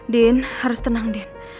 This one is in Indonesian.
din harus tenang din